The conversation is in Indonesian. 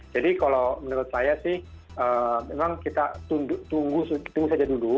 jadi kalau menurut saya sih memang kita tunggu saja dulu